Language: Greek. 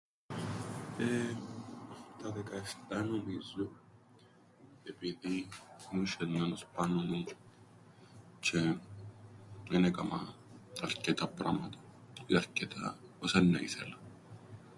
Τα δεκαεφτά νομίζω, επειδή ήμουν σ̆εσμένος πάνω μου, τζ̆αι εν έκαμα αρκετά πράματα, όι αρκετά, όσα εννά ήθελα.